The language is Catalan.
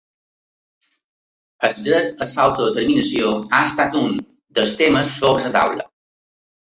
El dret a l’autodeterminació ha estat un altre dels temes sobre la taula.